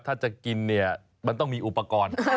ถ้าจะกินเนี่ยมันต้องมีอุปกรณ์